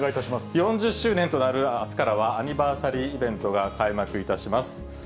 ４０周年となるあすからは、アニバーサリーイベントが開幕いたします。